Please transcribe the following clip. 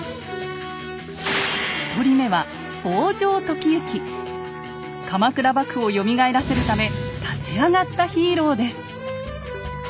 一人目は鎌倉幕府をよみがえらせるため立ち上がったヒーローです。